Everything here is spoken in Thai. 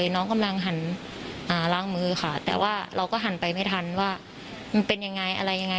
น้องกำลังหันล้างมือค่ะแต่ว่าเราก็หันไปไม่ทันว่ามันเป็นยังไงอะไรยังไง